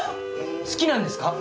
好きなんですか？